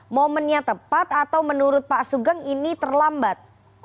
momennya tepat atau menurut pak sugeng ini terlambat